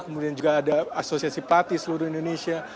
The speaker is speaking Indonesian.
kemudian juga ada asosiasi pati seluruh indonesia